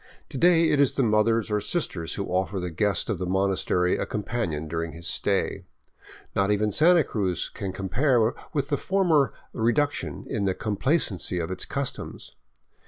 To day it is the mothers or sisters v^ho offer the guest of the monas tery a companion during his stay. Not even Santa Cruz can compare with the former " reduction " in the complacency of its customs.